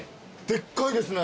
でっかいですね。